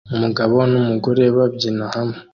Umugabo n'umugore babyina hamwe